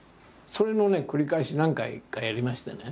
それの繰り返し何回かやりましてね。